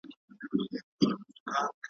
خو نصیب به دي وي اوښکي او د زړه درد رسېدلی `